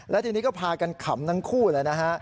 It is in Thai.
แล้วทีนี้ก็พากันขำทั้งคู่เลยนะฮะ